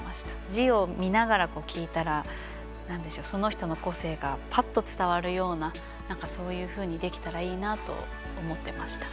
字を見ながら聴いたらなんでしょう、その人の個性がぱっと伝わるようななんかそういうふうにできたらいいなと思っていました。